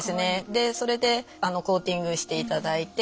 でそれでコーティングしていただいて。